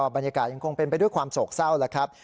บรรยากาศยังคงเป็นไปด้วยความโศกเศร้าแล้วครับ